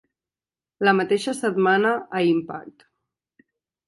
La mateixa setmana a Impact!